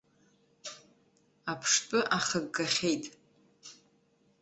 Аԥштәы ахыггахьеит.